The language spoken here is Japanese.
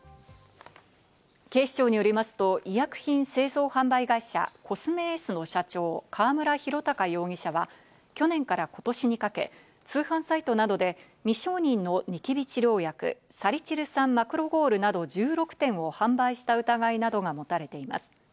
警視庁によりますと、医薬品製造販売会社、コスメエースの社長・河邨弘隆容疑者は、去年から今年にかけ通販サイトなどで未承認のニキビ治療薬・サリチル酸マクロゴールなど１６点を販売した疑いなどが持たれています。